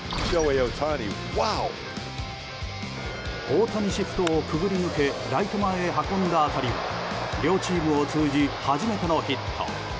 大谷シフトをくぐり抜けライト前へ運んだ当たりは両チームを通じ初めてのヒット。